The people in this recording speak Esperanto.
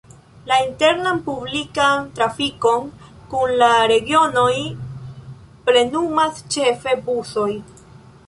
La internan publikan trafikon kun la regionoj plenumas ĉefe busoj.